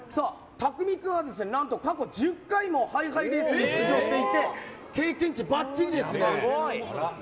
たくみ君は何と過去１０回もハイハイレースに出場していて経験値ばっちりですよ。